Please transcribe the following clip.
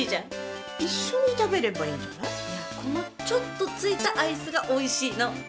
このちょっとついたアイスがおいしいの。